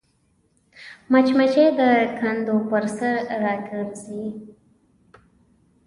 مچمچۍ د کندو پر سر راګرځي